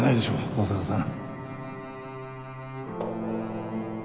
香坂さん